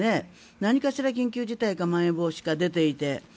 何かしら緊急事態やまん延防止が出ていて。